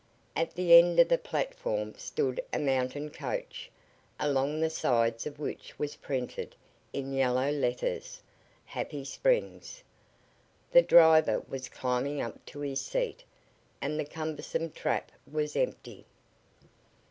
At the end of the platform stood a mountain coach, along the sides of which was printed in yellow letters: "Happy Springs." The driver was climbing up to his seat and the cumbersome trap was empty.